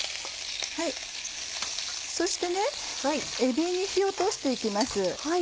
そしてえびに火を通して行きます。